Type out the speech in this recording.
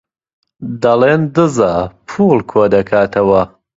دەڵێن دزە، پووڵ کۆدەکاتەوە.